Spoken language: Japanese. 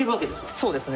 そうですね。